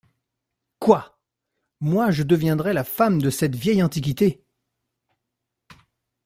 Quoi ! moi, je deviendrais la femme De cette vieille antiquité !